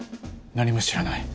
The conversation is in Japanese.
何も知らない。